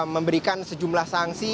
memberikan sejumlah sanksi